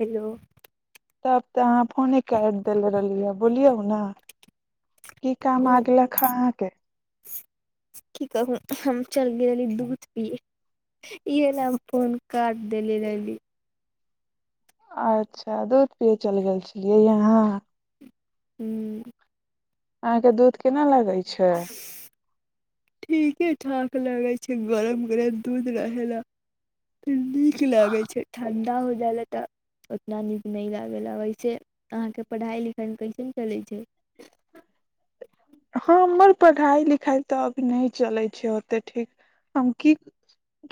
Hello तब तऽ अहाँ फोने काट देले रहलिय बोलियौ ना की काम आ गेलक हन अहाँके की कहू हम चल गेलि दूध पिये इहे ला हम फोन काट देले रहलि अच्छा दुध पिये चलि गेल छ लियै अहाँ अहाॅं के दूध केना लागै ठीके ठाक लगै छै गरम गरम दूध रहैला नीक लागै छै ठण् डा हो जाइल तऽ ओतना नीक नहि लागेला वैसे अहाँके पढ़ाई लिखाई कैसेन चलै छै हमर पढ़ाई लिखाई तऽ अभी नहि चले छै ओते ठीक हम की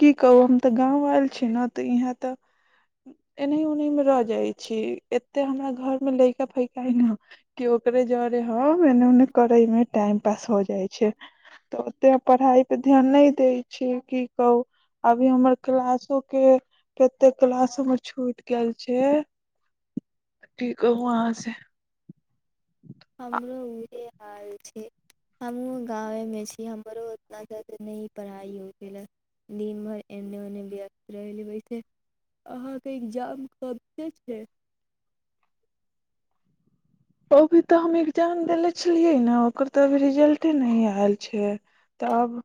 की कहू हम तऽ गाँव आयल छी ने तऽ इहाँ तऽ एनहि ओनहि मे रहि जाइ छी एते हमरा घर मे लैका फैका है ने कि ओकरे जरे हम एने ओने करैमे टाइम पास हो जाइ छै तऽ ओते पढ़ाई पे ध्यान नहि दै छी की कहू अभी हमर क्लासो के कते क्लास हमर छूट गेल छै की कहू अहाँ से हमरो उहे हाल छै हमहूँ गाँवमे छी हमरो उतना जादे नहि पढ़ाई होबे ला दिन भरि एन्ने ओन्ने व्यस्त रहलि वैसे अहाँके एग्जाम कबसे छै अभी तऽ हम एग्जाम देने छलियै ने ओकर तऽ अभी रिजल्टे नहि आयल छै तऽ तब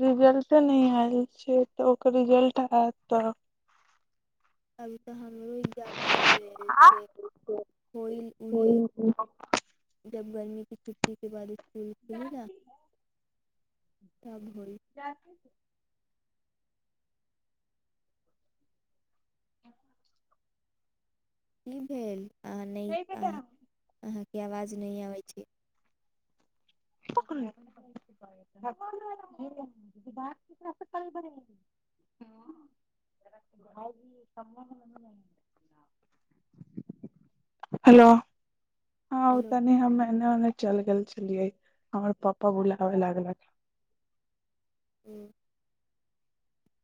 रिजल्टे नहि आयल छै तऽ ओकर रिजल्ट आयत तऽ अभी तऽ हमरो एग्जाम नहि भेल छै होइल उहे जब गर्मी के छुट्टी के बाद [unintelligible] [unintelligible] जा छै की भेल आहाॅं नहि अहाँ अहाँ की आवाज नहि आबय छैक हलो [inaudible] हउ त नी हममे एन्ने ओने चल गेल छलियै हमर पप्पा बुलाबे लागलखिन हूँ [inaudible]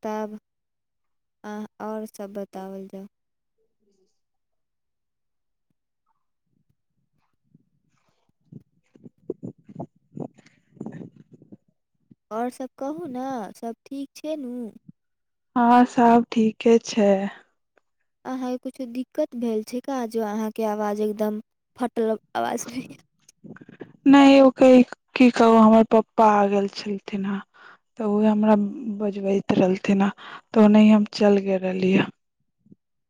तब अहाँ और सभ बताऊ ओर सभ कहू ना सब ठीक छै नू हँ सब ठीके छैक अहाँके किछो दिक्कत भेल छै का जे अहाँके आवाज एकदम फटल आवाज रहय अछि नहि ओ की कहू हमर पप्पा आ गेल छलथिन हां तऽ उहे हमरा बजबैत रहलथिन हां तऽ ओनाही हम चल गेल रहलिये।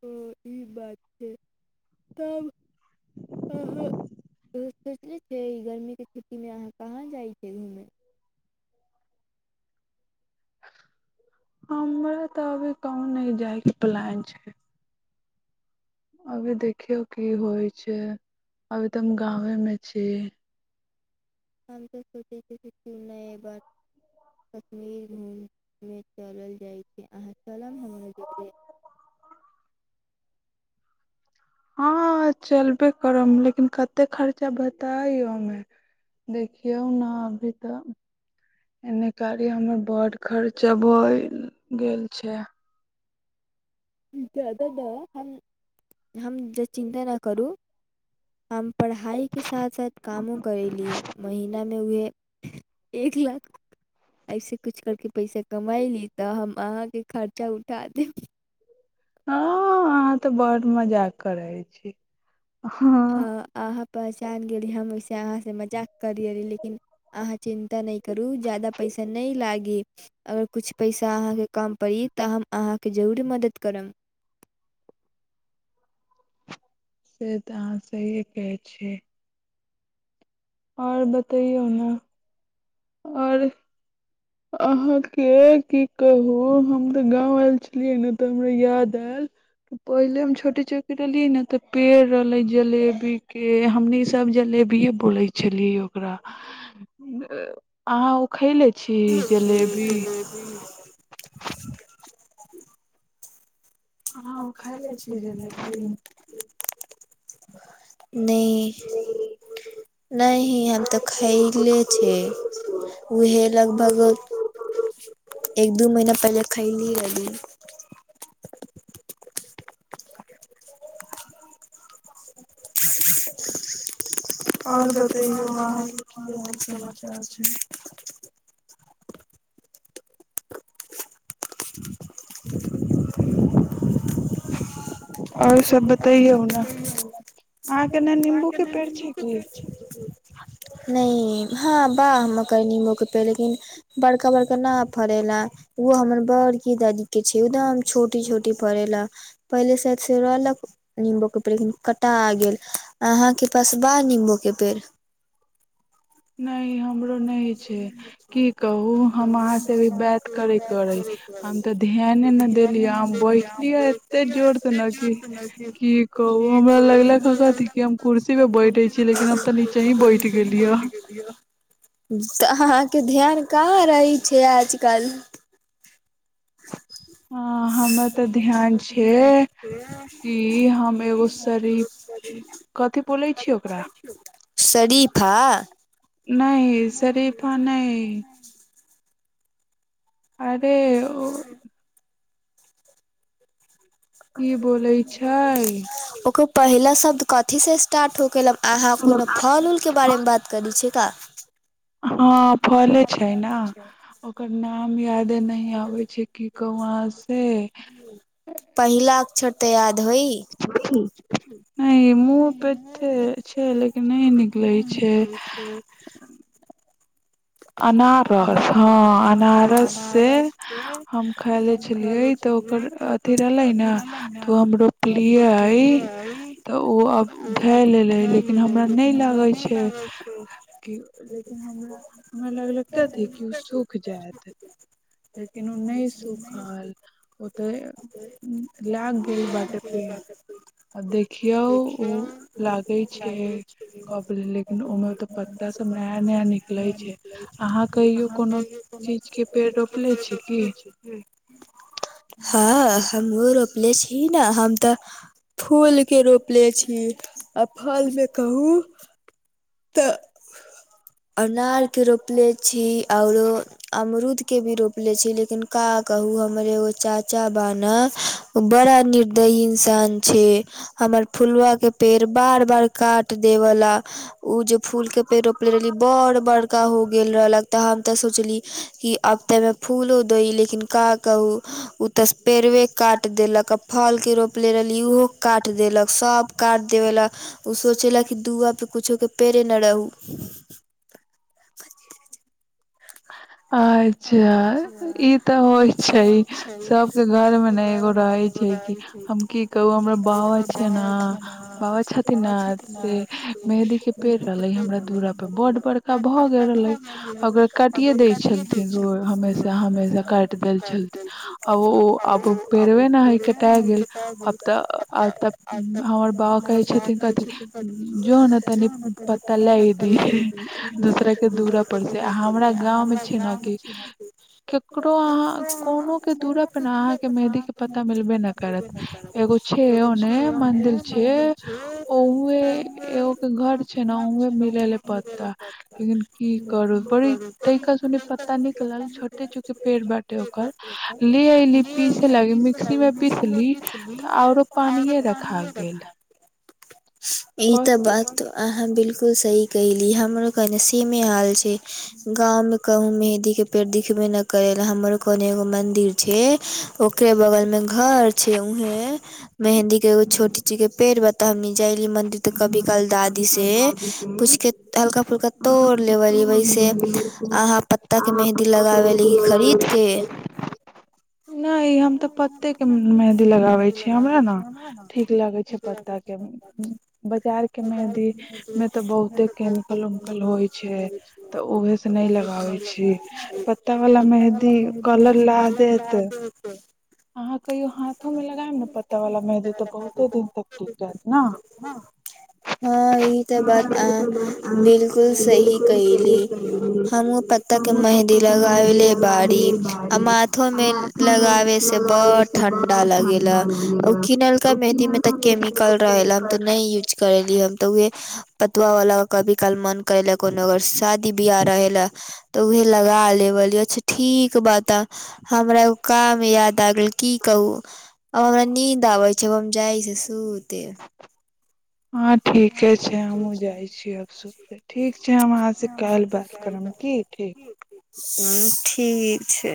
ओ ई बात छैक तब आहाॅं [unintelligible] त सोचनेे छियैक ई गरमी केँ छुट्टीमे अहाँ कहाँ जाइत छियैक घूमय हमरा तऽ अभी कहू नहि जायकेँ प्लान छैक अभी देखियौ की होइ छैक अभी तऽ हम गामेमे छी हम तऽ सोचै छियै कि कि नहि एहि बार कश्मीर घूममे चलल जाइ छी अहाँ चलब हमर जुगे हँ चलबे करब लेकिन कतेक खर्चा बतायौ हमे देखियौ ने अभी तऽ एने कारी हमर बड खर्चा भइल गेल छैक [unintelligible] हम चिन्ता नहि करू हम पढ़ाईकेँ साथ साथ कामो करैेली महिनामे उएह एक लाख ऐसे किछ करकेँ पैसा कमैली तऽ हम अहाँके खर्चा उठा देब हँ अहाँ तऽ बड़ मजाक करै छी हँ अहाँ पास पहचान गेली हम ओहिसे अहाँ से मजाक करियरि लेकिन अहाँ चिंता नहि करू जादा पैसा नहि लागी गी और कुछ पैसा अहाँके कम परत तऽ हम अहाँके जरूरे मदद करब से तऽ अहाँ सहिए कहैत छियैक ओर बतैयौ ना ओरो अहाँके की कहू हम तऽ गाँव आयल छलियै ने तऽ हमरा याद आयल पहिले हम छोटे चौकी रहलियै ने तऽ पेड़ रहले जलेबी केँ हमनी ई सब जलेबीे बोले छलियै ओकरा अहाँ ओ खैले छी जलेबी [unintelligible] [inaudible] खइले छी जलेबी नयि नहि हम तऽ खैले छे उहे लगभग एक दू महीना पहिले खैली रहली [unintelligible] [inaudible] ओर बतैयौ अहाँके की हाल समाचार छै ओर सब बतैयौ ने अहाँ के ने नींबू के पेड़ छै की [unintelligible] नहि हाँ वाह मकई नींबू के पेड़ लेकिन बड़का बड़का ना फ फरेलाा ओहो हमर बड़की दादी के छै एकदम छोटी छोटी फरेलाा पहिले साद से रहलक निम्बू के पेड़ लिन कटा आ गेल अहाँके पास बा निम्बू के पेड़ नहि हमरो नहि छै की कहू हम अहाँ से भी बात करे करै हम तऽ ध्याने ने देलियै हम बैठलियै एतेक जोरसँ ने कि की कहू हमरा लगलक ह क हम कुर्सी पे बैठे छी लेकिन हम तऽ नीचे ही बैठ गेलिय हे तऽ अहाँके ध्यान कहाँ रहियै छियै आजकल हँ हमे तऽ ध्यान छिय क हम एगो शरीफ कथि बोलै छीय ओकरा नहि शरीफा नहि अरे ओ ओकरो पहिला शब्द कथीसँ स्टार्ट हो केल अहाँ कोनो फल उल के बारेमे बात करै छिय का ह हाँ फलै छै न ओकर न यादे नहि आबे छै की कहु से नहि मुहो पे जे छै लेकिन नहि निकले छै अनारस हँ अनारस से हम खाय ले छलियै तऽ ओकर अथी रहलै ने त हमरो प्रिय अइ ओ खा लेलै लेकिन हमरा नहि लागै छै [unintelligible] हमरा लागले कथी क उ सुूख जायत लेकिन उ नहि सुूखल ओते लाग गेल बटे पेड़ आ देखियो उ लागे छै कब लेकिन ओमे ओते पत्ता सब नया नया निकले छै हँ हमहुँ रोपले छी ने हम तऽ फूल के रोपले छी आ फलमे कहू तऽ अनार के रोपले छी औरो अमरुद के भी रोपले छी लेकिन का कहू हमर एगो चाच चबाना ओ बड़ा निर्दयी इंसान छै हमर फुलवा के पेड़ बार बार काट देवला ओ जे फूलके पेड़ रोपले रहली बड़ बड़का हो गेल रहलक तऽ हम तऽ सोचली कि आब तऽमे फूलो दइ लेकिन का कहू ओ तऽ पेड़वे काटि देलक आ फलके रोप रोपले रहलि उहो काट देलक सब काट देबेला उ सोचे ला की तु आब बेरे नरौउ [inaudible] अच्छा ई तऽ होइ छै सबके घर मे ने एगो रहे छै कि हम की त उ हमरा बाबा छै ने बाबा छथिन ने से मेहदी के पेड़ रहलैय हमरा दुरा पर बड बड़का भ गेल रहलै आ ओकरा काटिये देय छल काट दै छै तऽ आ तऽ हमर बाबा कहे छथिन कथि जो ने तनी पता ले दियहे दूसरा के दूरा पर से हमरा गाँव में छै हाँ एगो छै ओने मंदिर छै ओउहे एगो के घर छै ने उहे मिलै ले पत्ता लेकिन की करू बड़ी ता तनिकलल छोटे छोटे पेड़ बाटे ओकर ले ऐली पीसे लागी मिक्सी मे पीसली तऽ औरो पानिये रखा गेल ई तऽ बात अहाँ बिल्कुल बिल्कुल सही कहिली हमरो कने समे हाल छै गांव में कहु मेहदी के पेड़ दिखबे न करे ले हमरो को एगो मंदिर छै ओकरे बगल में घर छ उहें मेहदी के एगो छोटी चीज के पेड़ बतहबी जायले मंदिर त कभी काल दादी से पूछके हल्का फुल्का तोड़ लेब रहे वहि से अहाँ प ता के मेहदी लगाबे ली की खरीद के नहि हम तऽ पत्ते के मेहदी लगाबे छीय हमरा ने ठीक लगे छै पत्ता के बाजार के मेहदी में तऽ बहुते केमिकल उमिकल होइ छै तऽ उहे से न लगाबे छै छी पत्ता वला मेहदी कलर ला देत अहाँ कहियो हाथो मे लगायब ने पत्ता वाला मेहदी तऽ बहुते दिन तक टीकत रहत ने त के मेंहदी लगावले बाड़ी आ माथो मे लगाबे से बड़ ठंडा लगेेला उ किनल का मेंहदी में तऽ केमिकल रहे ला हम ते नयि यूज करेेली हम तो उहे पतवा वाला कभी काल मन कयैलक कोनो अगर शादी बियाह रहै ला तऽ उहे लगा लेबल अच्छा ठीक बता हमरा एगो काम याद याद आगेल की कहू आब हमरा नींद आबै छै हम जाइ छी सुते हँ ठीके छै हमहूँ जाइ छी आब सुते ठीक छै हम अहाँसे काल्हि बात करब की ठीक ह ठीक छै